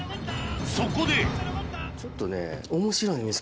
そこでちょっとね。